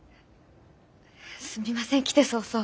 すみません来て早々。